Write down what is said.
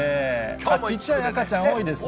きょう、ちっちゃい赤ちゃん多いですね。